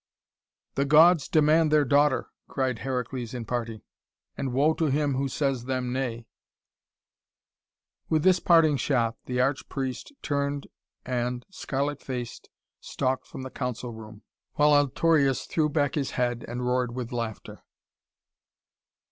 "The Gods demand their daughter," cried Heracles in parting, "and woe to him who says them nay!" With this parting shot, the arch priest turned and, scarlet faced, stalked from the council room, while Altorius threw back his head and roared with laughter.